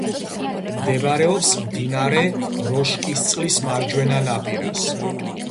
მდებარეობს მდინარე როშკისწყლის მარჯვენა ნაპირას.